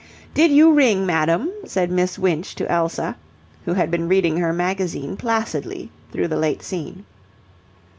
"Did you ring, madam?" said Miss Winch to Elsa, who had been reading her magazine placidly through the late scene.